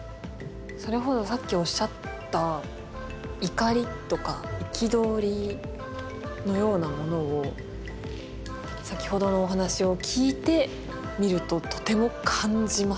それこそさっきおっしゃった怒りとか憤りのようなものを先ほどのお話を聞いて見るととても感じます。